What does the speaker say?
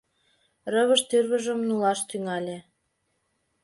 Рывыж тӱрвыжым нулаш тӱҥале.